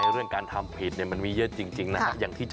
เรื่องการทำผิดมันมีเยอะจริงนะครับ